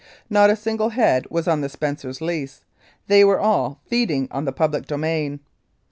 Not a single head was on the Spencers' lease they were all feeding on the public domain.